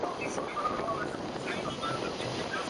Se crio entre las labores del campo y la política.